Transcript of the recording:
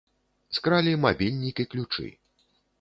Скралі мабільнік і ключы.